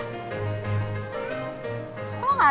lo tuh egois banget ya